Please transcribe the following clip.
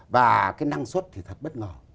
và cái năng suất thì thật bất ngờ